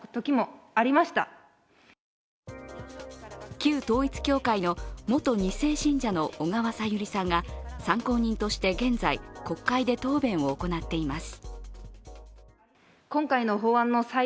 旧統一教会の元２世信者の小川さゆりさんが参考人として現在、国会で答弁を行っています。